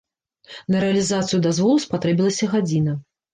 На рэалізацыю дазволу спатрэбілася гадзіна.